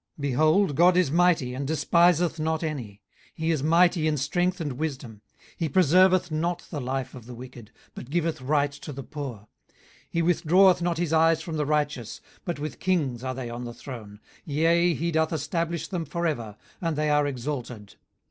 18:036:005 Behold, God is mighty, and despiseth not any: he is mighty in strength and wisdom. 18:036:006 He preserveth not the life of the wicked: but giveth right to the poor. 18:036:007 He withdraweth not his eyes from the righteous: but with kings are they on the throne; yea, he doth establish them for ever, and they are exalted.